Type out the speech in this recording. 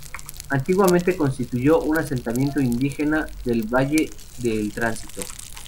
Antiguamente, constituyó un asentamiento indígena del Valle de El Tránsito.